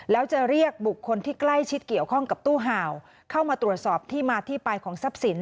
แล้วจะเรียกบุคคลที่ใกล้ชิดเกี่ยวข้องกับตู้ห่าวเข้ามาตรวจสอบที่มาที่ไปของทรัพย์สิน